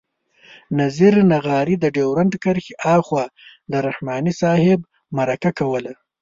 نذیر لغاري د ډیورنډ کرښې آخوا له رحماني صاحب مرکه کوله.